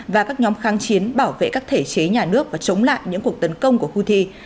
và các nhóm kháng chiến bảo vệ các thể chế nhà nước và chống lại những cuộc tấn công của houthi